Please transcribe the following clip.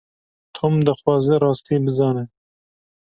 Tom dixwaze rastiyê bizane.